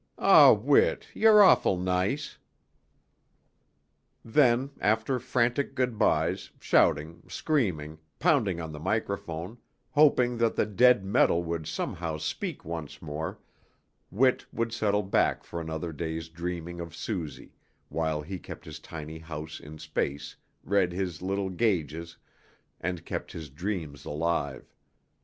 "Aw, Whit, you're awful nice." Then, after frantic good byes, shouting, screaming, pounding on the microphone, hoping that the dead metal would somehow speak once more, Whit would settle back for another day's dreaming of Suzy, while he kept his tiny house in space, read his little gauges, and kept his dreams alive.